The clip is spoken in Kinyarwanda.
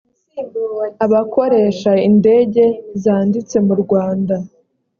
abakoresha indege zanditse mu rwanda